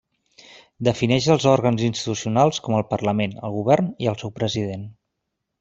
Defineix els òrgans institucionals com el Parlament, el Govern i el seu President.